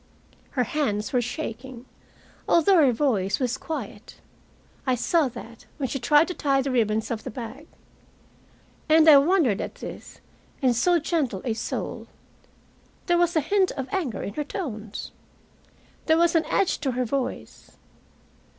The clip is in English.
Her hands were shaking, although her voice was quiet. I saw that when she tried to tie the ribbons of the bag. And I wondered at this, in so gentle a soul there was a hint of anger in her tones. There was an edge to her voice.